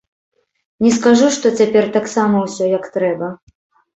Не скажу, што цяпер таксама ўсё як трэба.